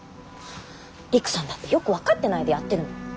りくさんだってよく分かってないでやってるのよ